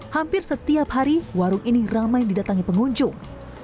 hampir setiap hari warung ini ramai didatangi pengunjung